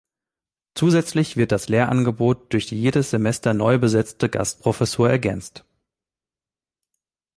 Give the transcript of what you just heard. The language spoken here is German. Zusätzlich wird das Lehrangebot durch die jedes Semester neu besetzte Gastprofessur ergänzt.